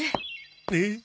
えっ？